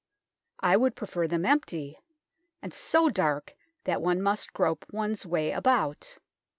I would prefer them empty, and so dark that one must grope one's way about.